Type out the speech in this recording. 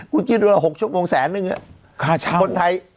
คุณกินเวลาหกชั่วโมงแสนหนึ่งอ่ะค่าเช่าคนไทย